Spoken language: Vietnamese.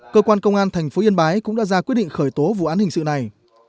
cơ quan công an thành phố yên bái cũng đã ra quyết định khởi tố vụ án hình sự này